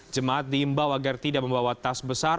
jemaat diimbau agar tidak membawa tas besar